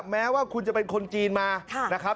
แม้ว่าคุณจะเป็นคนจีนมานะครับ